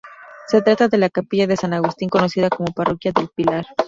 Se trata de la Capilla de San Agustín, conocida como Parroquia del Pilar.